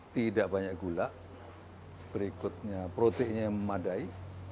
tidak banyak gula berikutnya proteinnya memadai